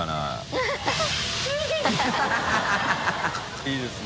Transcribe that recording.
いいですね。